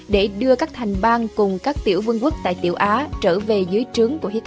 để đưa các thành bang cùng các tiểu vương quốc tại tiểu á trở về dưới trướng của hitter